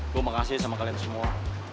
gue makasih sama kalian semua